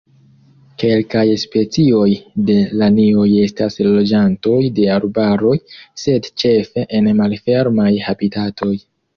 Kelkaj specioj de lanioj estas loĝantoj de arbaroj, sed ĉefe en malfermaj habitatoj.